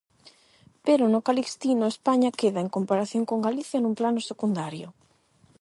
Pero no Calixtino España queda, en comparación con Galicia, nun plano secundario.